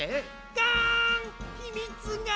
ガン！ひみつが！